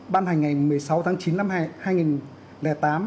ban hành ngày một mươi sáu tháng chín năm hai nghìn tám